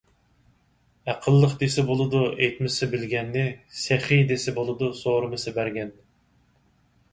ئەقىللىق دېسە بولىدۇ، ئېيتمىسا بىلگەننى؛ سېخىي دېسە بولىدۇ، سورىمىسا بەرگەننى.